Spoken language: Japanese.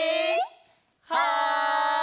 はい！